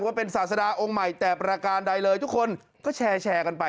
ว่าเป็นศาสดาองค์ใหม่แต่ประการใดเลยทุกคนก็แชร์กันไป